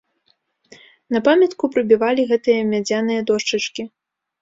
На памятку прыбівалі гэтыя мядзяныя дошчачкі.